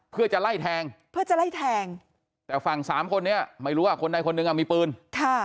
เพื่อจะไล่แทงเพื่อจะไล่แทงแต่ฝั่งสามคนนี้ไม่รู้ว่าคนใดคนหนึ่งอ่ะมีปืนค่ะ